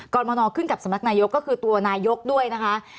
รมนขึ้นกับสำนักนายกก็คือตัวนายกด้วยนะคะ